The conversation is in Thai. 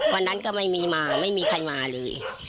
วันนั้นก็ไม่มีมาไม่มีใครมาเลย